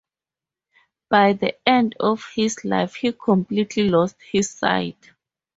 By the end of his life he completely lost his sight.